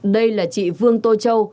đây là chị vương tô châu